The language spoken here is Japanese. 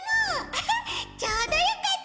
アハッちょうどよかった。